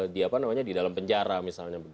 di dalam penjara misalnya